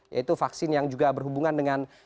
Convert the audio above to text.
yaitu vaksin yang juga berhubungan dengan